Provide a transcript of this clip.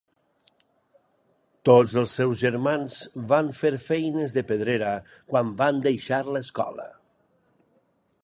Tots els seus germans van fer feines de pedrera quan van deixar l'escola.